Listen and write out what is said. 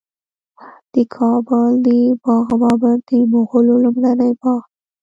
د کابل د باغ بابر د مغلو لومړنی باغ دی